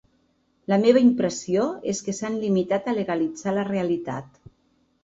La meva impressió és que s’han limitat a legalitzar la realitat.